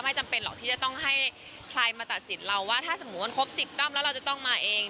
จำเป็นหรอกที่จะต้องให้ใครมาตัดสินเราว่าถ้าสมมุติมันครบ๑๐ด้อมแล้วเราจะต้องมาเอง